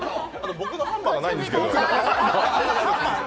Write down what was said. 僕のハンマーがないんですけど。